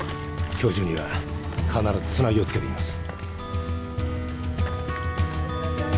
今日中には必ずつなぎをつけてきます。